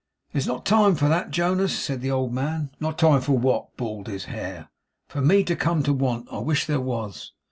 'There's not time for that, Jonas,' said the old man. 'Not time for what?' bawled his heir. 'For me to come to want. I wish there was!